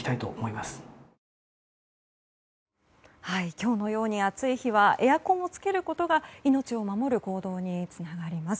今日のように暑い日はエアコンをつけることが命を守る行動につながります。